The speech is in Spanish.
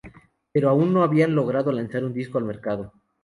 Pero aún no habían logrado lanzar un disco al mercado.